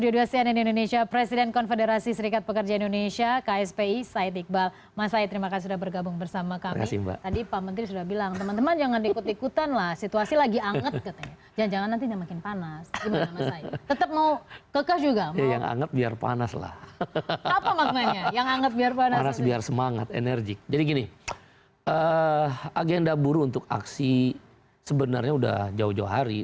oke agenda buruh untuk aksi sebenarnya sudah jauh jauh hari